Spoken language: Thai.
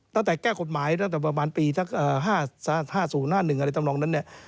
ตั้งแต่แก้กฎหมายตั้งแต่ประมาณปี๕๐หน้า๑อะไรทำนองนั้นเนี่ย